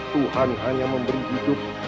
tuhan hanya memberi hidup